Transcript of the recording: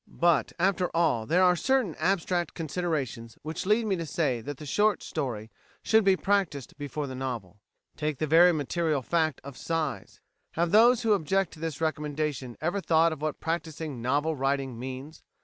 But, after all, there are certain abstract considerations which lead me to say that the short story should be practised before the novel. Take the very material fact of size. Have those who object to this recommendation ever thought of what practising novel writing means?